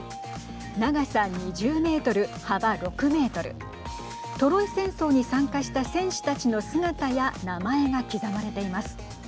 長さ２０メートル、幅６メートルトロイ戦争に参加した選手たちの姿や名前が刻まれています。